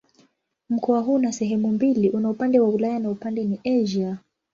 Mkoa huu una sehemu mbili: una upande wa Ulaya na upande ni Asia.